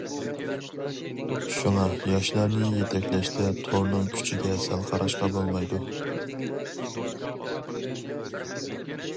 شۇڭا ياشلارنى يېتەكلەشتە تورنىڭ كۈچىگە سەل قاراشقا بولمايدۇ.